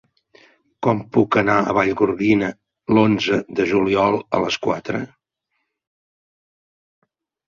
Com puc anar a Vallgorguina l'onze de juliol a les quatre?